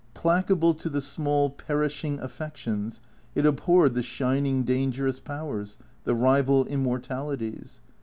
Pla cable to the small, perishing affections, it abhorred the shining, dangerous powers, the rival immortalities.